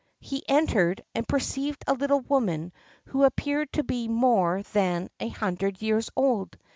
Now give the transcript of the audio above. He entered, and perceived a little woman, who appeared to be more than an hundred years old.